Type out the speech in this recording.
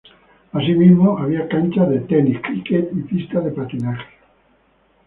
Asimismo, había canchas de tenis, cricket, y pista de patinaje.